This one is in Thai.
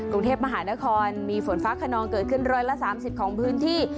กรุงเทพมหานครมีฝนฟ้าขนองเกิดขึ้นร้อยละสามสิบของพื้นที่